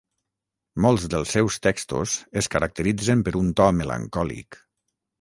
Molts dels seus textos es caracteritzen per un to melancòlic.